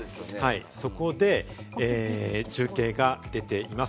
そこで、中継が出ています。